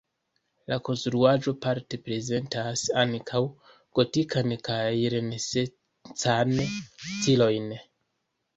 La konstruaĵo parte prezentas ankaŭ gotikan kaj renesancan stilojn.